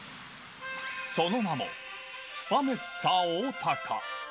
その名も、スパメッツァおおたか。